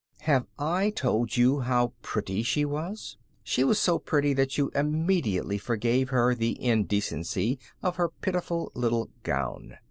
Have I told you how pretty she was? She was so pretty that you immediately forgave her the indecency of her pitiful little gown.